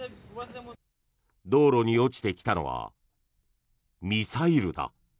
道路に落ちてきたのはミサイルだ。